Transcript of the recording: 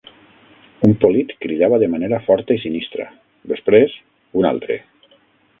Un polit cridava de manera forta i sinistra. Després, un altre.